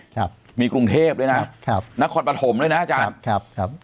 ครับมีกรุงเทพด้วยนะครับนครปฐมด้วยนะอาจารย์ครับครับ